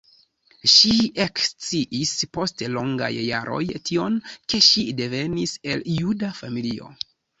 Ŝi eksciis post longaj jaroj tion, ke ŝi devenis el juda familio.